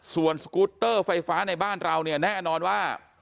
ส่วนสกูตเตอร์ไฟฟ้าในบ้านเราเนี่ยแน่นอนว่า